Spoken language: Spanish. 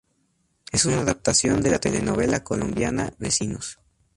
Es una adaptación de la telenovela colombiana Vecinos.